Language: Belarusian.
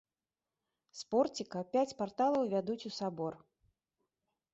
З порціка пяць парталаў вядуць у сабор.